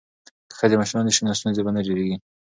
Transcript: که ښځې مشرانې شي نو ستونزې به نه ډیریږي.